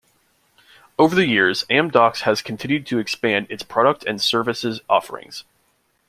Over the years, Amdocs has continued to expand its product and services offerings.